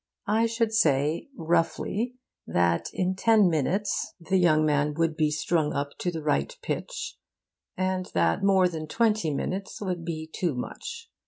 I should say, roughly, that in ten minutes the young man would be strung up to the right pitch, and that more than twenty minutes would be too much.